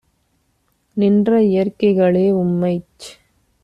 நின்ற இயற்கைகளே! - உம்மைச்